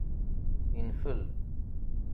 Infel.